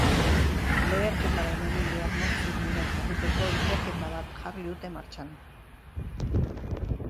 Leherketaren egileak nortzuk diren jakiteko ikerketa bat jarri dute martxan.